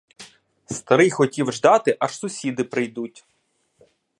Старий хотів ждати аж сусіди прийдуть.